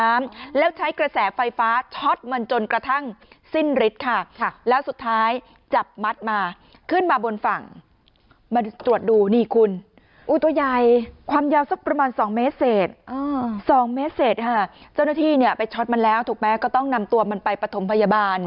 ๒เมตรเสร็จภารณ์เที่ยวไปมันแล้วถูกแม้ก็ต้องนำตัวมันไปปฐมพยาบาล